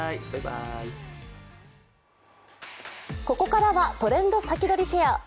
ここからは「トレンドさきどり＃シェア」。